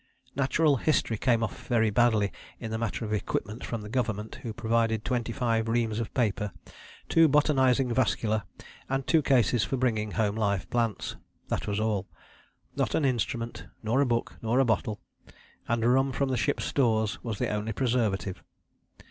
Natural history came off very badly in the matter of equipment from the Government, who provided twenty five reams of paper, two botanizing vascula and two cases for bringing home live plants: that was all, not an instrument, nor a book, nor a bottle, and rum from the ship's stores was the only preservative.